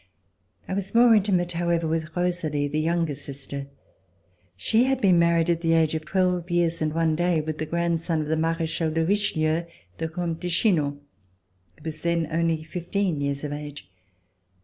I was more intimate, however, with Rosalie, the younger sister. She had been married at the age of twelve years and one day with the grandson of the Marechal de Richelieu, the Comte de Chinon, who then was only fifteen years of age.